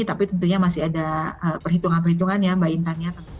tapi tentunya masih ada perhitungan perhitungan ya mbak intan